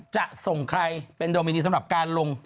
จะส่งใครเป็นโดมินีสำหรับการลง